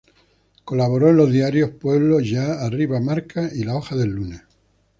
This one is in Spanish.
Colaboró en los diarios "Pueblo", "Ya", "Arriba", "Marca" y "La Hoja del Lunes".